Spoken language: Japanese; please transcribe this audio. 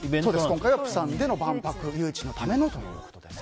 今回は釜山での万博誘致のためだということです。